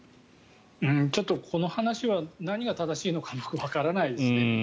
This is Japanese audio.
ちょっとこの話は何が正しいのか僕はわからないですね。